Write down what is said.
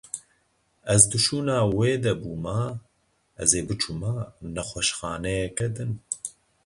Ez di şûna wê de bûma ez ê biçûma nexweşxaneyeke din.